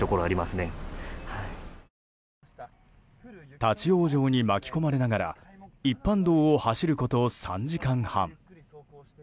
立ち往生に巻き込まれながら一般道を走ること３時間半。